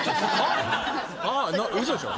嘘でしょ？